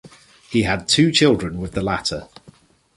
He had two children with the latter.